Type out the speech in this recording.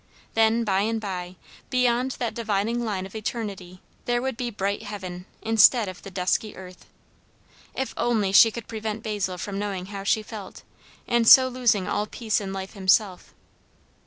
Then, by and by, beyond that dividing line of eternity, there would be bright heaven, instead of the dusky earth. If only she could prevent Basil from knowing how she felt, and so losing all peace in life himself.